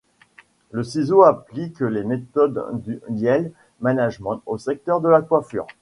LeCiseau applique les méthodes du Yield Management au secteur de la coiffure.